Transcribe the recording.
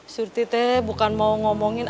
surti teh bukan mau ngomongin